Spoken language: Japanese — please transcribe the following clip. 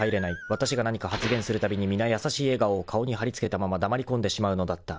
［わたしが何か発言するたびに皆優しい笑顔を顔にはり付けたまま黙りこんでしまうのだった］